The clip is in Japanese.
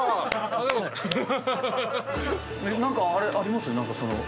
何かあります？